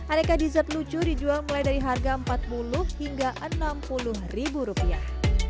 aneka dessert lucu dijual mulai dari harga empat puluh hingga enam puluh ribu rupiah